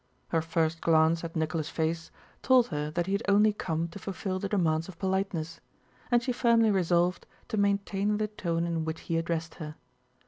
Her first glance at Nicholas' face told her that he had only come to fulfill the demands of politeness, and she firmly resolved to maintain the tone in which he addressed her.